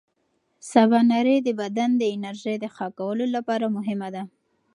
سباناري د بدن د انرژۍ د ښه کار لپاره مهمه ده.